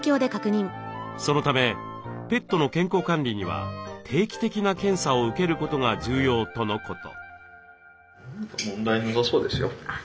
そのためペットの健康管理には定期的な検査を受けることが重要とのこと。